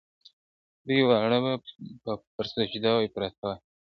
لوی واړه به پر سجده ورته پراته وي ..